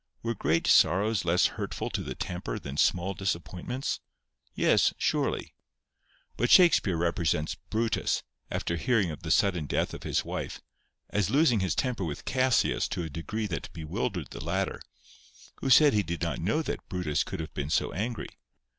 Were great sorrows less hurtful to the temper than small disappointments? Yes, surely. But Shakespeare represents Brutus, after hearing of the sudden death of his wife, as losing his temper with Cassius to a degree that bewildered the latter, who said he did not know that Brutus could have been so angry.